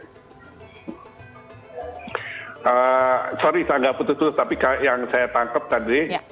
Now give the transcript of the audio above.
sorry saya nggak putus putus tapi yang saya tangkap tadi